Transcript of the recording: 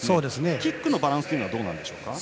キックのバランスはどうでしょう。